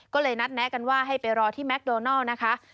ก็เลยนัดแนะกันว่าให้ไปรอที่แมคโดนัลนะคะ